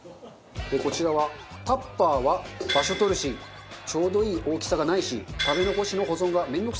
こちらはタッパーは場所取るしちょうどいい大きさがないし食べ残しの保存が面倒くさい。